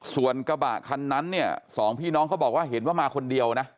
ส่วนกระบะคันนั้นเนี่ยสองพี่น้องเขาบอกว่าเห็นว่ามาคนเดียวนะ